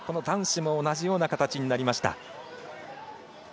男子も同じような形になりました。